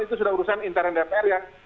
itu sudah urusan internet dpr yang